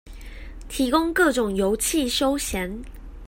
提供各種遊憩休閒